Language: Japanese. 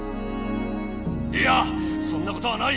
いやそんなことはない！